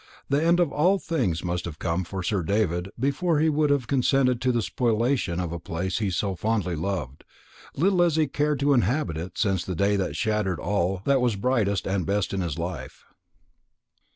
The end of all things must have come for Sir David before he would have consented to the spoliation of a place he fondly loved, little as he had cared to inhabit it since the day that shattered all that was brightest and best in his life.